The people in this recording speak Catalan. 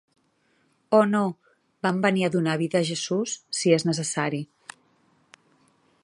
Oh no, vam venir a donar vida a Jesús, si és necessari.